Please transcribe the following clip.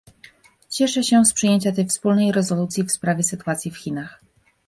Cieszę się z przyjęcia tej wspólnej rezolucji w sprawie sytuacji w Chinach